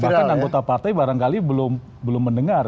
bahkan anggota partai barangkali belum mendengar